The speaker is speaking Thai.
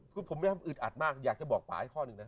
คือผมอึดอัดมากอยากจะบอกป่าอีกข้อหนึ่งนะ